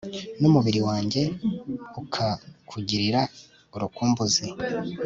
n'umubiri wanjye ukakugirira urukumbuzi